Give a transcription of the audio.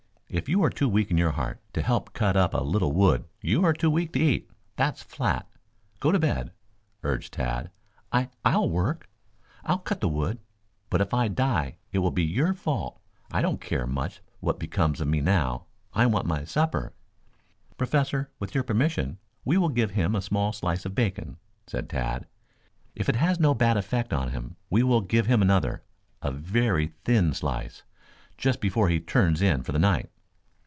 If you are too weak in your heart to help cut up a little wood you are too weak to eat. That's flat. Go to bed," urged Tad. "I I'll work. I'll cut the wood, but if I die it will be your fault. I don't care much what becomes of me now. I want my supper." "Professor, with your permission, we will give him a small slice of bacon," said Tad. "If it has no bad effect on him, we will give him another, a very thin slice, just before he turns in for the night."